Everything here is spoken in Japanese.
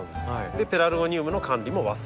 でペラルゴニウムの管理も忘れない。